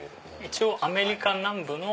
一応アメリカ南部の。